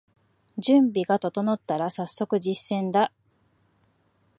準備が整ったらさっそく実践だ